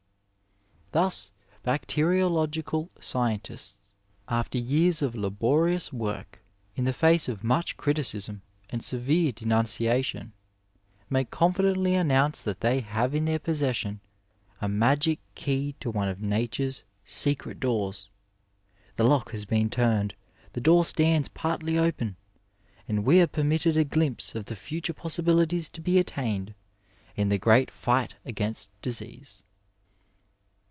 Thus bacteriological scientists, after years of labori ous work, in the face of much criticism and severe denun ciation, may confidently announce that they have in their possession a magic key to one of nature's secret doors. 250 Digitized by Google MEDICINE IN THE NINETEENTH CENTURY The lock has been turned. The door stands partly open, ' and we are permitted a glimpse of the future possibilities to be attained in the great fight against disease.